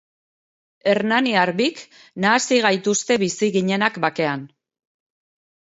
Hernaniar bik nahasi gaituzte bizi ginenak bakean.